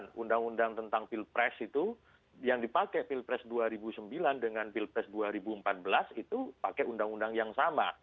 kemudian undang undang tentang pilpres itu yang dipakai pilpres dua ribu sembilan dengan pilpres dua ribu empat belas itu pakai undang undang yang sama